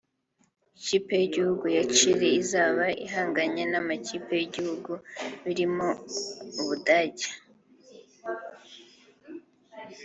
Ikipe y’igihugu ya Chili izaba ihanganye n’amakipe y’ibihugu birimo Ubudage